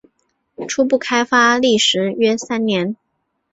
初步开发历时约三年。